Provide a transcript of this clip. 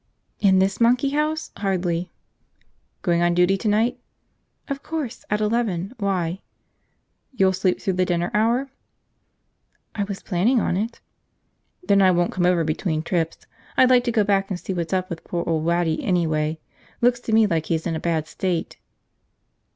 "In this monkey house? Hardly." "Going on duty tonight?" "Of course. At eleven. Why?" "You'll sleep through the dinner hour?" "I was planning on it." "Then I won't come over between trips. I'd like to go back and see what's up with poor old Waddy, anyway. Looks to me like he's in a bad state."